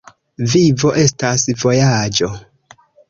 Vivo estas vojaĝo.